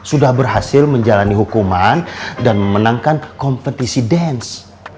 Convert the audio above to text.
sudah berhasil menjalani hukuman dan memenangkan kompetisi dance